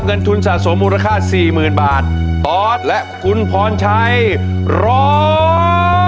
เงินทุนสะสมมูลค่าสี่หมื่นบาทตอสและคุณพรชัยร้อง